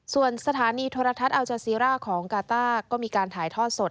ส่วนสถานีโทรทัศน์อัลจาซีร่าของกาต้าก็มีการถ่ายทอดสด